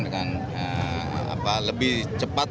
dengan lebih cepat